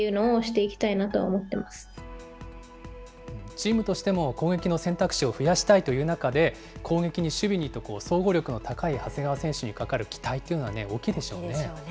チームとしても、攻撃の選択肢を増やしたいという中で、攻撃に守備にと、総合力の高い長谷川選手にかかる期待というのは大きいでしょうね。